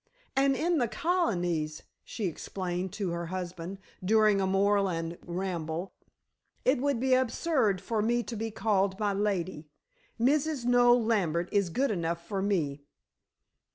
"And in the Colonies," she explained to her husband, during a moorland ramble, "it would be absurd for me to be called 'my lady.' Mrs. Noel Lambert is good enough for me."